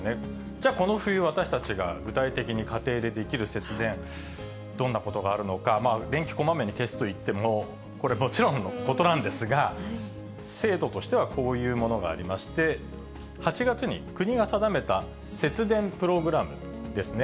じゃあ、この冬、私たちが具体的に家庭でできる節電、どんなことがあるのか、電気こまめに消すといっても、これ、もちろんのことなんですが、制度としてこういうものがありまして、８月に国が定めた節電プログラムですね。